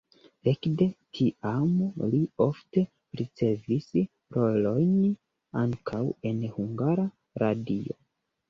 Ekde tiam li ofte ricevis rolojn ankaŭ en Hungara Radio.